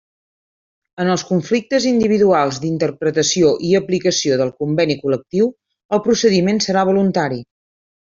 En els conflictes individuals d'interpretació i aplicació del Conveni Col·lectiu el procediment serà voluntari.